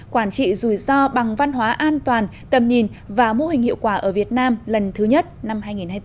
quản trị rủi ro bằng văn hóa an toàn tầm nhìn và mô hình hiệu quả ở việt nam lần thứ nhất năm hai nghìn hai mươi bốn